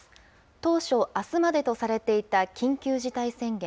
当初、あすまでとされていた緊急事態宣言。